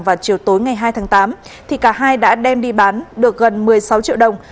vào chiều tối ngày hai tháng tám cả hai đã đem đi bán được gần một mươi sáu triệu đồng